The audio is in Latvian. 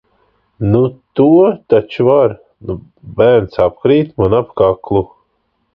Nu to taču var! un bērns apkrīt man ap kaklu...